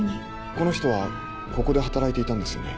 この人はここで働いていたんですよね？